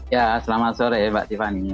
ya selamat sore mbak tiffany